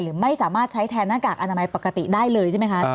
ไม่สามารถใช้แทนหน้ากากอนามัยปกติได้เลยใช่ไหมคะ